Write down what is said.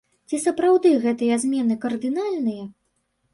Ці сапраўды гэтыя змены кардынальныя?